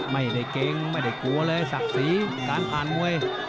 ไม่ได้เกรงไม่ได้กลัวเลยศักดิ์ศรีการผ่านมวย